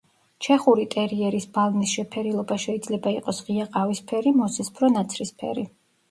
ჩეხური ტერიერის ბალნის შეფერილობა შეიძლება იყოს ღია ყავისფერი, მოცისფრო-ნაცრისფერი.